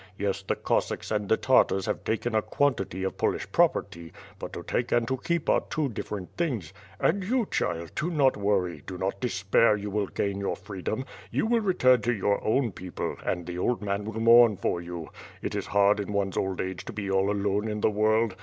Yes, the Cossacks and the Tartars have taken a quantity of Polish property, but to take and to keep are two different things. And you, child, do not worry, do not de spair you will gain your freedom, you will return to your own people, and the old man will mourn for you. It is hard in one's old age to be all alone in the world.